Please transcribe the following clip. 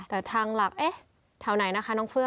แต่ทางหลักทางไหนนะคะน้องเฟื่อ